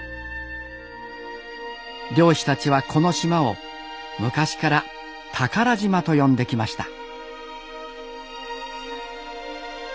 漁師たちはこの島を昔から「宝島」と呼んできました。